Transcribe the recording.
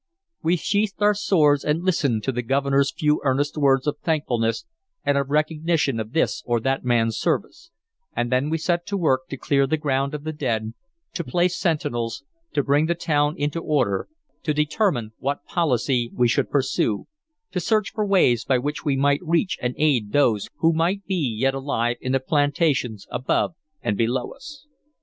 We sheathed our swords and listened to the Governor's few earnest words of thankfulness and of recognition of this or that man's service, and then we set to work to clear the ground of the dead, to place sentinels, to bring the town into order, to determine what policy we should pursue, to search for ways by which we might reach and aid those who might be yet alive in the plantations above and below us.